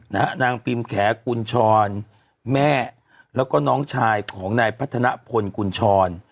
นางปิมแขกุญชรแม่แล้วก็น้องชายของนายพัฒนพลกุญชร